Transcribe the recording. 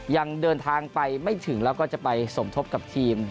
ยังเดินทางไปไม่ถึงแล้วก็จะไปสมทบกับทีม